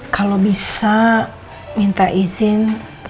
kalau bisa minta izin